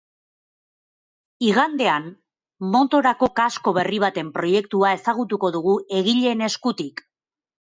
Igandean, motorako kasko berri baten proiektua ezagutuko dugu egileen eskutik.